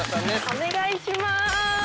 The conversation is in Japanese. お願いしまーす。